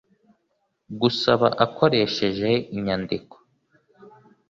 gusaba akoresheje inyandiko